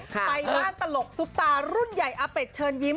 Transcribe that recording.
ไปบ้านตลกซุปตารุ่นใหญ่อาเป็ดเชิญยิ้ม